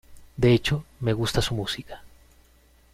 De hecho, me gusta su música.